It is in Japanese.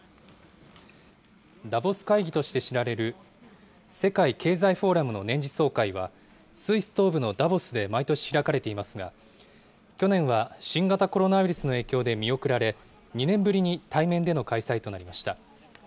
ダボス会議として知られる世界経済フォーラムの年次総会は、スイス東部のダボスで毎年開かれていますが、去年は新型コロナウイルスの影響で、見送られ、２年ぶりに対面での開催となりました。